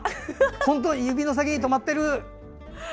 本当に指の先に止まってる！